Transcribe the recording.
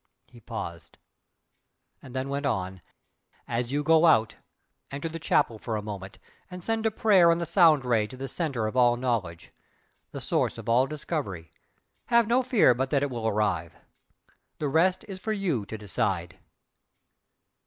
He paused then went on "As you go out, enter the chapel for a moment and send a prayer on the Sound Ray to the Centre of all Knowledge, the source of all discovery have no fear but that it will arrive! The rest is for you to decide."